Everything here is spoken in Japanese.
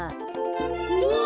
うわ！